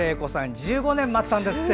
１５年待ったんですって。